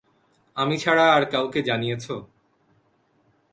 আমি ছাড়া আর কাউকে জানিয়েছ?